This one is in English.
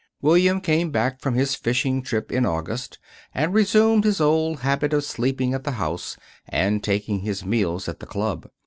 William came back from his fishing trip in August, and resumed his old habit of sleeping at the house and taking his meals at the club.